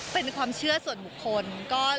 เป็นความเชื่อส่วนบุคคล